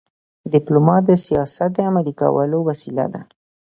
ډيپلومات د سیاست د عملي کولو وسیله ده.